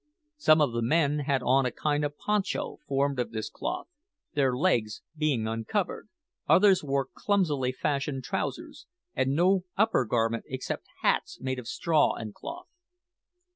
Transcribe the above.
Some of the men had on a kind of poncho formed of this cloth, their legs being uncovered; others wore clumsily fashioned trousers, and no upper garment except hats made of straw and cloth.